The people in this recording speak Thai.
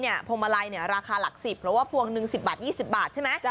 นี้เนี่ยพรมะลายเนี่ยราคาหลัก๑๐เพราะว่าพวงหนึ่ง๑๐บาท๒๐บาทใช่ไหม